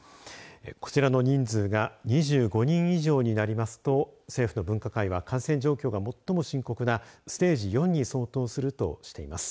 こちらの人数が２５人以上になりますと政府の分科会は感染状況が最も深刻なステージ４に相当するとしています。